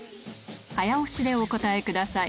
早押しでお答えください